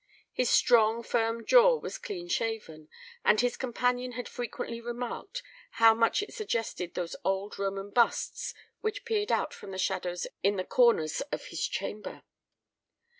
His strong, firm jaw was clean shaven, and his companion had frequently remarked how much it suggested those old Roman busts which peered out from the shadows in the corners of his chamber.